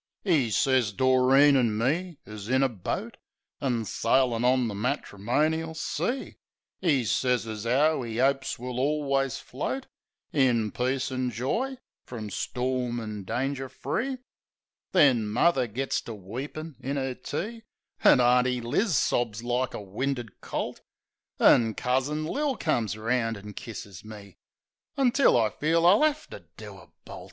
E' sez Doreen an' me is in a boat. An' sailin' on the matrimonial sea. E' sez as 'ow 'e opes we'll alius float In peace an' joy, from storm an' danger free. Then muvver gits to weepin' in 'er tea; An' Auntie Liz sobs like a winded colt; An' Cousin Lil comes 'round an' kisses me; Until I feel I'll 'ave to do a bolt.